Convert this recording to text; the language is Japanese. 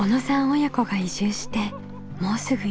親子が移住してもうすぐ１年。